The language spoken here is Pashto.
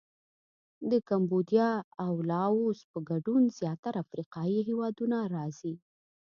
د کمبودیا او لاووس په ګډون زیاتره افریقایي هېوادونه راځي.